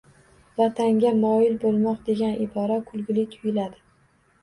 “Vatanga moyil bo’lmoq” degan ibora kulgili tuyuladi.